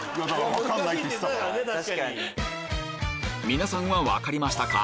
皆さんは分かりましたか？